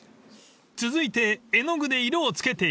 ［続いて絵の具で色をつけていきます］